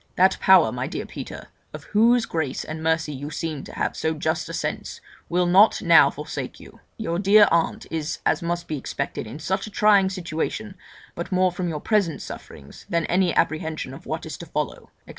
That Power, my dear Peter, of whose grace and mercy you seem to have so just a sense, will not now forsake you. Your dear aunt is as must be expected in such a trying situation, but more from your present sufferings than any apprehension of what is to follow,' &c.